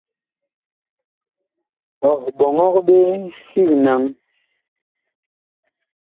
Ɔ ɓɔŋɔg ɓe sig naŋ.